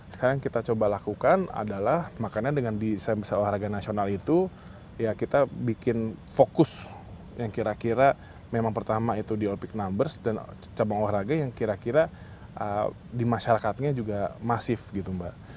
sekarang kita coba lakukan adalah makanya dengan desain besar olahraga nasional itu ya kita bikin fokus yang kira kira memang pertama itu di olpic numbers dan cabang olahraga yang kira kira di masyarakatnya juga masif gitu mbak